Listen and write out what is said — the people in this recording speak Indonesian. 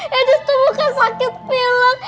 ya justru bukan sakit pilek